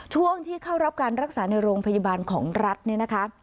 ช่วงที่เข้ารับการรักษาในโรงพยาบาลของรัฐเนี่ยนะคะ